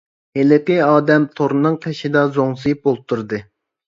ھېلىقى ئادەم تورنىڭ قېشىدا زوڭزىيىپ ئولتۇردى.